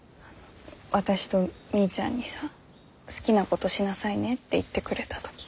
私とみーちゃんにさ好きなことしなさいねって言ってくれた時。